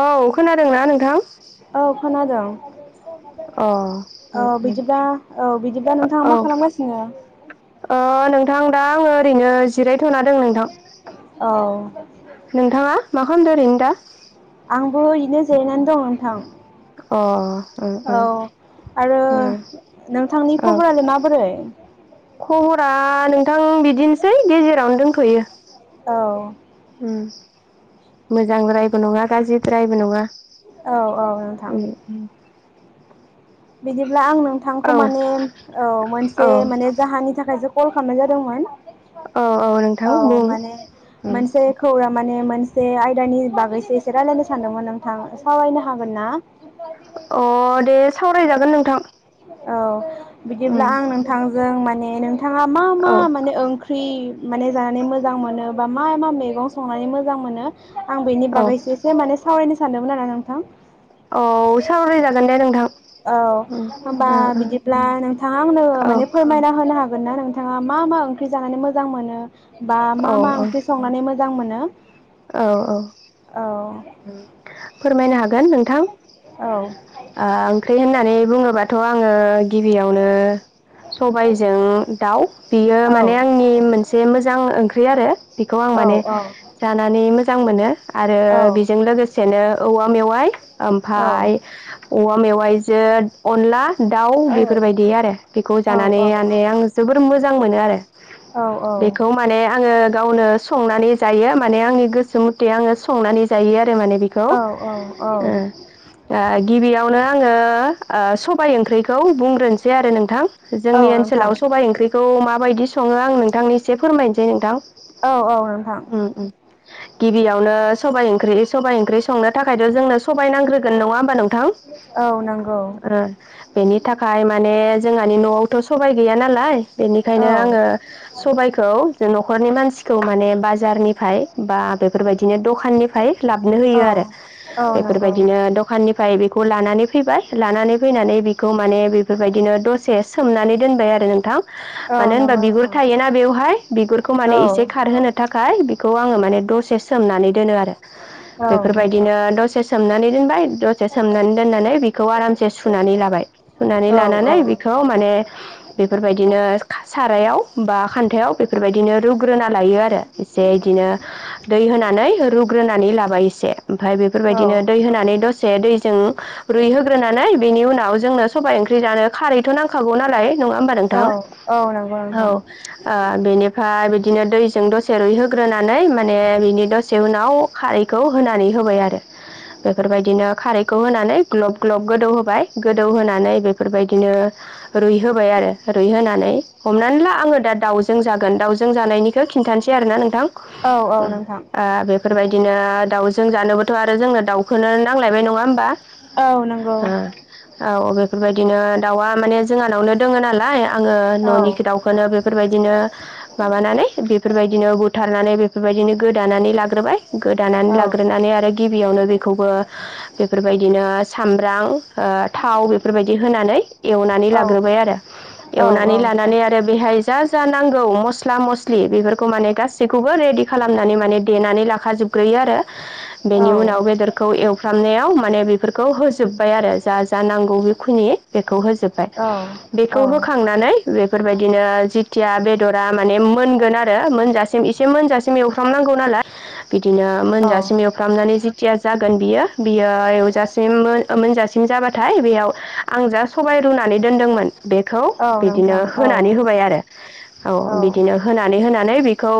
औ खोनादोंना नोंथां औ खोनादोंं अ [unintelligible] उम औ उम बिदिब्ला औ बिदिब्ला नोंथाङा औ मा खालामगासिनो? ओ नोंथां दा आङो ओरैनो जिरायथ'ना दं नोंथां औ नोंथाङा [inaudible] मा खालामदों ओरैनो दा? आंबो बिदिनो जिरैनानै दङ नोंथां अ ओ औ आरो नोंथांनि खबरालाय माबोरै? खबर खबरा नोंथां बिदिनोसै थै गेजेरावनो दंथ'यो औ उ मोजांद्रायबो नङा गाज्रिद्रायबो नङा औ औ नोंथां उम उम बिदिब्ला आं नोंथांखौ औ माने औ मोनसे औ माने जाहोनानि थाखायसो कल खालामनाय जादोंमोन औ नोंथां औ बुं माने उम मोनसे खौरां माने मोनसे आयदानि बागैसो एसे रायज्लायनो सानदोंमोन नोंथां सावरायनो हागोन ना? अ दे सावरायनो औ उम बिदिब्ला आं नोंथांजों नोंथांजों माने नों बिथाङा मा-मा औ माने ओंख्रि माने जानानै मोजां मोनो बा मा-मा मैगं संनानै मोजां मोनो आं बेनि औ बागैसो एसे माने सावरायनोसै सान्दोंमोन आरो नोंथां औ सावराय जागोन दे नोंथां औ उम होमबा ओ बिदिब्ला नोंथाङा आंनो ओ माने फोरमायना होनो हागोन होनना नोंथाङा मा-मा ओंख्रि जानानै मोजां मोनो? बा औ औ मा-मा औ ओंख्रि संनानै मोजां मोजां औ मोनो औ [inaudible] [inaudible] फोरमायनो हागोन नोंथां ओ औ ओंख्रि होननानै बुङोबाथ' आङो गिबियावनो सबायजों दाउ बियो औ माने आंनि मोनसे मोजां ओंख्रि आरो बेखौ आं औ माने जानानै मोजां मोनो आरो औ लोगोसेनो औवा मेवाय औ ओमफाय औवा मेवाइजो अनला दाउ औ बेफोरबायदि आरो बेखौ जानानै औ माने आं जोबोद मोजां मोनो आरो बेखौ माने आङो गावनो संनानै जायो माने आंनि गोसो मथे आङो संनानै जायो जायो माने बेखौ औ औ औ ओह आह गिबियावनो आङो सबाय ओंख्रिखौ बुंग्रोनोसै आरो नोंथां औ जोंनि ओनसोलाव नोंथां सबाय ओंख्रि खौ माब बायदि सङो आं नोंथांनि एसे फोरमायनोसै नोंथां औ औ नोंथां गिबियावनो सबाय ओंख्रि सबाय ओंख्रि संनो थाखायथ जोंनो सबाय नांग्रोन नङा होमबा नों थां औ नंगौ आरो बेनि थाखाय माने जोंहानि न'आवथ' सबाइ गैया नालाय बेनिखायनो औ आङो सबायखौ जों न'खर खरनि मानसिखौ माने बाजारनिफ्राय बा बेफोरबायदिनो दखान फाय लाबनो होयो आरो औ औ नंगौ बेफोरबायदिनो दखनि फ्राय बेखौ लानानै फैबाय लानानै फैनानै बेखौ माने बेफोरबायदिनो दसे सोमनानै दोनबाय आरो नों थां औ मानो होनबा नंगौ बिगुर नोंथां थायोना बेवहाय बिगुरखौ औ माने एसे खारहोनो थाखाय खौ आङो माने दसे सोमनानै दोनो आरो औ बेफोरबायदिनो दसे सोमनानै दोनबाय द से सोमनानै दोननानै बे खौ आरामसे सुनानै लाबाय औ सुनानै लानानै बेखौ माने बेफोरबायदिनो सारायाव बा खान्थायाव बेफोरबायदिनो रुग्रोना लायो आरो एसे बिदिनो दै होनानै रुगायो होग्रोनानै लाबाय एसे ओमफ्राय औ बेफोरबायदिनो दै होनानै दसे दैजों रुइहोग्रोनानै बेनि उनाव जोंनो सबाय ओंख्रि जानो खारैथ' नांखागौ नालाय नङा होमबा नोंथां औ औ नंगौ नोंथां ओह बेनिफ्राय बिदिनो दैजों दसे रुइहोग्रोनानै माने बिनि दसे उनाव आव खारैखौ होनानै होबाय आरो बेफोरबायदिनो खारै खौ होनानै ग्लब ग्लब गोदौ होबाय गोदौ होनानै बेफोरबायदिनो रुइ होबाय आरो रुइहोनानै हमनानै ला आङो दा दाउजों जागोन दाउजों जानायनिखौ खिन्थानोसै आरोना नोंथां। औ औ नोंथां। फोरबायदिनो दाउजों जानोबाथ' आरो जोंनो दाउखोनो नांलायबाय नङा होमबा। औ नंगौ। ओ औ बेफोरबायदिनो दाउआ माने जोंहानावनो दङो नालाय आङो औ न'नि दाउखौनो बेफोरबायदिनो माबानानै बेफोरबायदिनो बुथारनानै बेबायदिनो गोदानानै लाग्रोबाय। औ गोदानानै लाग्रोनानै आरो गिबियावनो बेखौबो बेफोरबायदिनो सामब्राम ओ थाव बेफोरबायदि होनानै एवनानै औ लाग्रोबाय आरो, औ एवनानै लानानै आरो बेहाय जा जा नांगौ मस्ला मस्लि बेफोरखौ माने गासैखौबो रेडि खालामनानै माने देनानै ला खाजोबग्रोयो आरो। औ बेनि उनाव बेदरखौ एव फ्रामनायाव माने बेफोरखौ होजोबबाय आरो जा जा नांगौ बेखुनि बे खौ होजोबबाय। औ बेखौ होखांनानै बे बेफोरबायदिनो जिथिया बेदरा माने मोनगोन आरो मोनजासिम एसे मोनजासिम एवफ्रामनांगौ नालाय बिदिनो मोनजासिम एवफ्रामनानै जि जेथिया जागोन बियो बियो एवजासिम मोनजासिम जाबाथाय बेयाव आं जा सबाइ रुनानै दोन्दोंमोन बेखौ नोंथां औ बिदिनो नोंथां औ होनानै होबाय आरो औ बिदिनो होनानै होनानै खौ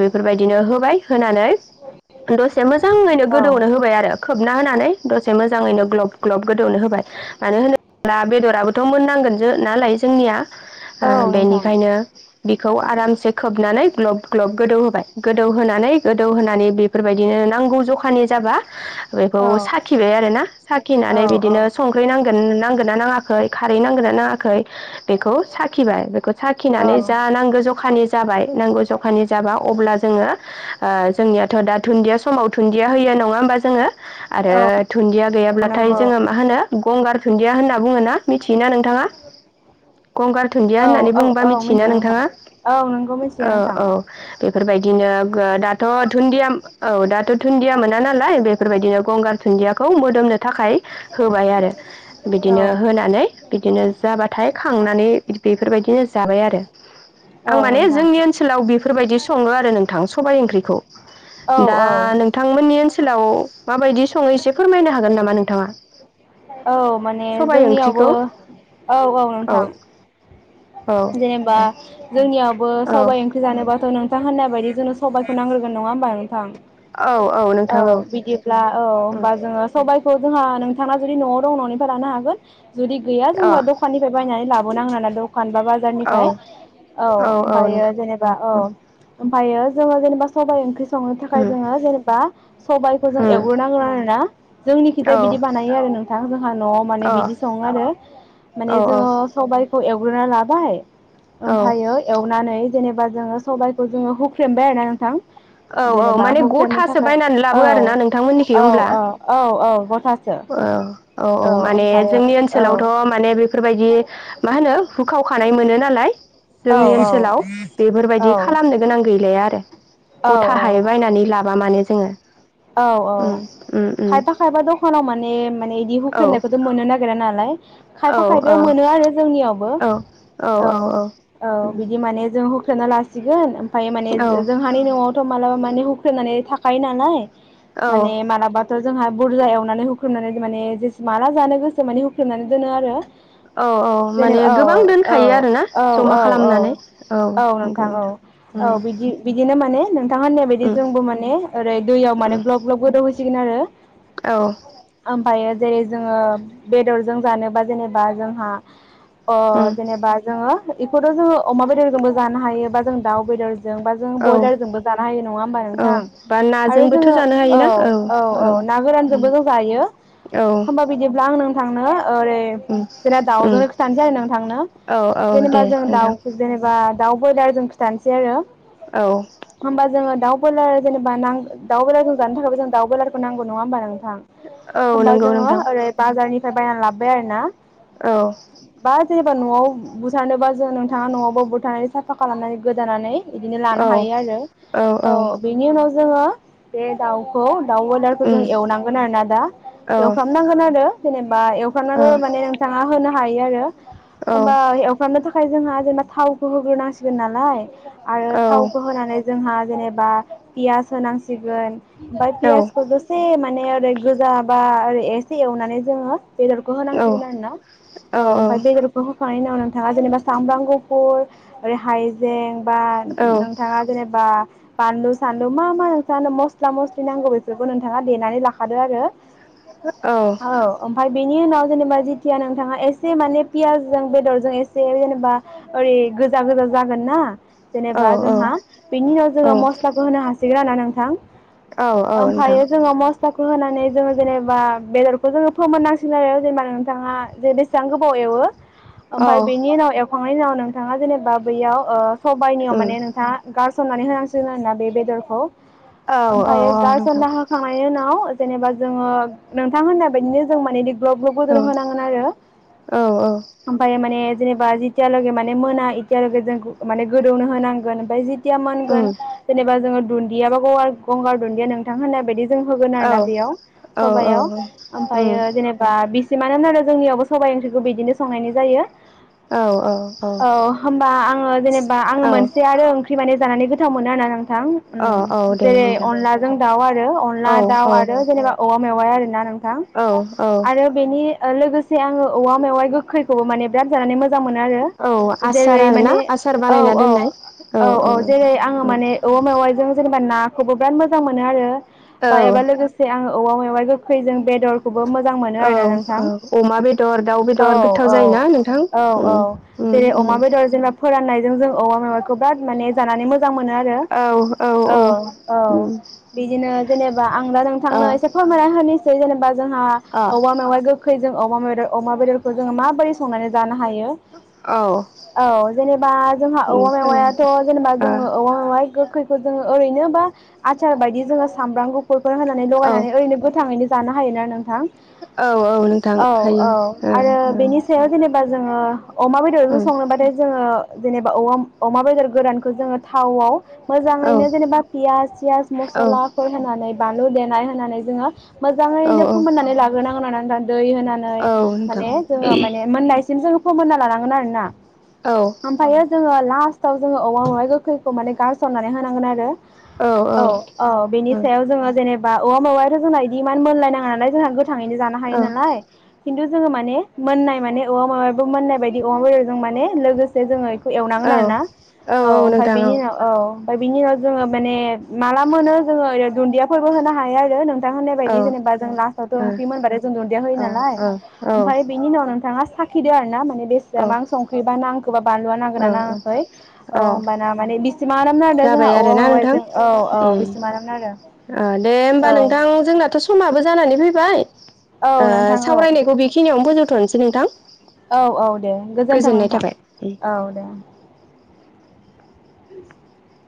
बेफोरबायदिनो होबाय होनानै दसे मोन मोजाङैनो गोदौनो होबाय आरो खोबना होनानै दसे मोजाङैनो ग्लब ग्लब गोदौनो होबाय मानो होनोब्ला बेदराबोथ' मोननांगोन जो नालाय जोंनिया। ओ बेनिखायनो बिखौ आरामसे खोबनानै ग्लब ग्लब गोदौ होबाय गोदौहोनानै गोदौ होनानै बेफोरबायदिनो नांगौ जखानि जाबा बेखौ साखिबाय आरोना। औ साखिनानै बिदिनो संख्रि नांगोन नांगोन ना नाङाखै खारै नांगोन ना नाङाखै बेखौ साखिबाय बेखौ साखिनानै जा नांगौ जखानि जाबाय नांगौ जखानि जाबा अब्ला जोङो आ जोंनियाथ' दा दुन्दिया समाव दुन्दिया होयो नङा होमबा जोङो औ आरो दुन्दिया गैयाब्लाथाय जोङो नंगौ मा होनो गंगार दुन्दिया होनना बुङो ना। मिथियोना नोंथाङा? गंगार दुन्दिया औ होननानै औ बुङोबा औ मिथियोना मिथिगौ नोंथां नोंथाङा? औ नोंगौ मिथियो औ नोंथां औ। बेफोरबायदिनो गोदा दाथ' दुन्दिया औ दाथ' दुुनन्दिया मोना नालाय बेफोरबायदिनो गंगार दुन्दियाखौ मोदोमनो थाखाय होबाय आरो औ बिदिनो होनानै बिदिनो जाबाथाय खांनानै बेफोरबायदिनो जाबाय आरो। औ आं माने नोंथां जोंनि ओनसोलाव बे बेफोरबायदि सङो आरो नोंथां सबाय ओंख्रि। खौ औ दा औ नोंथांमोननि ओन सोलाव माबायदि सङो एसे फोरमायनो हागोन नामा नोंथाङा? औ माने सबाइ जोंनियावबो ओंख्रिखौ औ औ नोंथां औ जेनेबा जोंनियाव बो सबाय ओंख्रि जोनोबा थ' नोंथां होननाय बायदि जोंनो सबायखौ नांग्रोगोन नङा होमबा? थां [inaudible] औ बिदिब्ला औ होमबा जोङो सबाय खौ जोंहा नोंथाङा जुदि न'आव दं न'निफ्राय लानो हागोन जुदि गैया जों बा अ दखाननिफ्राय बाय नानै लाबोनां [inaudible] दखान बा औ बाजारनिफ्राय औ औ ओमफायो नोंथां जेनेबा औ फायो जोङो जेनेबा सबाय ओंख्रि संनो थाखाय उम जोङो जेनेबा सबायाखो जों उम एवग्रोनांगो आरोना जोंनि खिजाय औ बिदि बानायो आरो नोंथां जोंहा न'आव माने अ औ बिदि सङो आरो माने औ जोङो औ सबाय। ए गुरना लाबाय औ ओमफायो एवनानै जेनेबा जोङो सबायखौ जोङो हुख्रेमबाय आरो ना नोंथां। औ औ जेनेबा माने हुख्रेमनो गथासो थाखाय बायनानै औ लाबो आरोना नोंथांमोननिखै औ होमब्ला? औ औ औ गथासो औ औ औ माने ओमफ्रायो जोंनि औ ओनसोलावथ' माने बेफोरबायदि मा होनो? हुखावखानाय मोनो नालाय औ जोंनि ओनसोलाव बेफोरबायदि खालामनो गोनां गैलाया आरो। औ गथा हाय बायनानै ला। लाबा माने जोङो। औ औ उम उम उम खायफा खायफा दखानाव मो ने माने इदि औ हुख्रेमनायखौथ' मोनो ना गेरा नालाय औ खायफा औ खायफायाव मोनो आरो जोंनियावबो औ औ औ बिदि माने जों ना लासिगोन ओ मफायो माने औ जोंहानि न आवथ मालाबा मा माने हुख्रेमनानै थाखायो नालाय औ माने मालाबा थ जोंहा बुरजा एवनानै होख्रेमनानै माने जे माला जानो गोसो माने हुख्रेमनानै दोनो आरो औ माने जेनेबा औ गोबां औ दोनखायो आरोना जमा औ औ औ खालामनानै औ नंगौ नोंथां औ औ उम बिदि बिदिनो माने नोंथांआ होननाय बायदि उम जोंबो माने ओरै दैयाव माने उम ग्लाब ग्लाब गौदौहोना बुजिगोन आरो औ फायो जेरै जोंङो बेदरजों जानोबा जेनेबा जोंहा अ उम जेनेबा जोंङो बेखौथ जोंङो अमा बेदरजोंबो जानो हायो बा जों दाउ बेदर जों बा औ ब्रयलारजोंबो जानो हायो नंङा होनबा औ नोंथां बा आरो औ नाजोंबोथ' जानो हायोना औ औ ना उम गोरानजोंबो जों जायो औ होमबा बिदिब्ला आं नोंथांनो ओरै उम जेनना उम दाउजोंनो खिथानोसै आरो नोंथांनो औ औ जेनेबा दे जों दाउ नोंथां जेनेबा दाउ ब्रयलारजों खिथानोसै आरो औ होमबा जोंङो दाउ बयलार जेनेबा नांगौ दाउ बयलारजों जानो थाखायबो जों दउ बेलारखौ नांगौ नंङा होमब नोंथां औ होनबा नंगौ जोंङो नोंथां ओरै बाजारनि बायना लाबोबाय आरोना औ सोरनिबा नआव बुसारनोबा जों नोंथाङा नआवबो बुथारनानै साफा खालामनानै गोदानानै बिदिनो लानो औ हायो आरो औ बेनि उनाव जोंङो बे दाउखौ दाउ ब्रयलारखौ जों उम एवनांगोन आरोना दा औ ओ एवफ्रामनांगोन आरो जेनेबा बा एवफामनाबो माने नोंथाङा होनो हायो आरो औ होमबा एवफ्रामनायखौ [unintelligible] थावखौ होग्रोनांसिगोन नालाय आरो औ थावखौ होनानै जोंहा जेनेबा बा पियास होनांसि सिगोन ओमफाय औ पियासखौ दसे माने ओरै गोजा बा आरो एसे एवनानै जोङो बेदरखौ औ होनांसिगोन आरो ना औ ओमफाय बेदरखौ हो होखांनायनि उनाव नोंथाङा जेनेबा सामब्राम गुफुर ओरै हाइजें बा औ नोंथाङा जेनेबा बानलु सानलु मा मा सानो मस्ला मस्लि नांगौ बेफोरखौ नोंथाङा देनानै लाखादो आरो। औ। बेनि उनाव जेनेबा जिथिया नोंथाङा एसे माने पियासजों बेदरजों एसे जेनेबा ओरै गोजा गोजा जागोन ना जेनेबा जोंहा बिनि उनाव जोङो मस्लाखौ होनो हासि [unintelligible] थां औ औ नोंथां ओमफायो जोङो मस्लाखौ बो होनानै जोङो जेनेबा बेदरखौ जोङो फोमोन नांसिगोन आरो जेनेबा नोंथाङा जे बेसेबां गोबाव एवो। औ ओमफाय बेनि उनाव एव खांनायनि उनाव नोंथाङा जेनेबा बैयाव ओ सबायनियाव उम माने नोंथाङा गार सननानै होनांसिगोन आरोना बे बेदरखौ। औ औ ओमफायो नोंथां गारसानना होखांनायनि उनाव जेनेबा जोङो नोंथां होननाय बायदिनो जों माने दै ग्लब ग्लब औ गोदौ होनांगोन आरो ओफायो माने जेनेबा जितियालगे माने मोना एतियालगे जों माने गोदौनो होनांगोन ओमफाय जि तिया मोनगोन जेनेबा जोङो गैयाबा गगार गंगार दुन्दिया नोंथां होननाय बायदि जों होगोन आरोना बेयाव सबायाव ओमफायो जेनेबा बिसिमानो [unintelligible] जोंनियावबो सबाय ओंख्रिखौ बिदिनो संनायनि जायो औ होमबा आंङो जेनेबा आंङो औ मोनसे आरो ओंख्रि माने जानानै गोथाव मोनो आरो ना नोंथां। ओम औ औ दे जेरै नोंथां। अनलाजों दाउ आरो अनला औ दाउ आरो जेनेबा औवा मेवाइ आरो ना नों थां औ औ आरो बेनि ओ लोगोसे आङो औवा मेवाइ गोखैखौबो माने बिराद जानानै मो मोजां मोनो आरो औ आसार जेरै माने आरोना आसार औ बानायना औ दोननाय औ औ नोंथां जेरै आङो माने औवा मेवाइ जों जेनेबा नाखौबो बिराद मोजां मोनो आरो औ बा एबा लोगोसे आंङो औवा मेवाइ गोखै जों बेदर खौ मोजां मोनो औ आरोना नोंथां औ अमा बेदर दाउ बेदर गोथाव औ-औ जायोना नोंथां औ-औ उम उम जेरै उम अमा बेदर जेनेबा फोराननाय। जों जों औवा मेवाखौ बिराद माने जानानै मोजां मोजां मोनो आरो औ औ उम बिदिनो जेनेबा आं दा अ नोंथांनो एसे फोरमायना होनो [unintelligible] जेनेबा जोंहा अ औवा मेवाय गो थैजों अमा बेदर अमा बेदरखौ जोङो माबोरै संनानै जानो हायो औ औ जेनेबा जोंहा उम औवा फोरमाय मेवायाथ जेनेबा नोंथां। जोंङो औवा मेवाय गो खौ जोङो ओरैनोबा आसार बायदि जोङो सामब्राम गु फोर होनानै ओ लगायनानै ओरैनो गोथाङैनो जानो हायोना नोंथां औ औ नोंथां हायो ओ ओ बा जोङो अमा बेदरजों ओं संनोबाथाय जोङो जेनेबा औवा अमा बेदर गोरानखौ जोङो थावआव औ मोजाङैनो जेनेबा पियाज सियाज औ मसलाफोर होनानै बानलु देनाय होनानै जोङो औ मोजाङैनो औ फोमोननानै लाग्रोनांगोन आर [unintelligible] दै औ होनानै नोंथां माने जोङो माने मोननायसिम जों फोमोनना लानांगोन आरोना औ ओमफायो जोंङो। लास्टआवाव जोङो औवा मेवाय गोखै माने गार सननानै होनांगोन आरो औ औ बेनि सायाव जोङो जेने बा औवा मावायाथ जोंना इदि इमान मोनलाय नाङा ना जोंहा थाङैनो जानो हायो औ नालाय खिन्थु जोङो माने मोननाय माने औवा मेवायाबो मोननाय बायदि अमा बेदरजों माने लोगोसे जोङो एवनांगोन औ आरो ना औ ओमफाय बेनि उनाव औ ओफाय बिनि उनाव जोंङो माने माला मोनो जोङो ओरै दुनदियाफोरबो होनो हायो आरो नोंथां होननाय औ बायदि जेनेबा जों लास्टआवथ औ ओंख्रि मोनबाथाय जों दुन्दिया होयो औ नालाय औ ओमफ्राय बिनि उनाव नोंथाङा साखिदों आरोना। बेसेबां मा औ संख्रिबा नांखोबा बानलुआ नांगोनना औ नाङाखै औ होनबाना माने। [inaudible] जाबाय औवा आरोना नोंथां मेवाइजों औ औ बिसि मा नाम नांदों दे होमबा औ नोंथां जोंनाथ' समाबो जानानै फैबाय। औ नोंथां औ सावरायनायखौ बेखिनियावनो बोजोबथ' नोंथां। औ औ दे गोजोन्थों गोजोननाय नोंथां थाबाय उम औ दे। [inaudible]